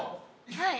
はい。